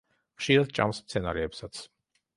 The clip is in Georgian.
ხშირად ჭამს მცენარეებსაც.